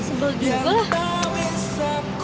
sebelah diri gue lah